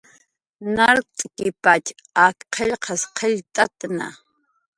Nart'kipatx ak qillqas qillqt'atna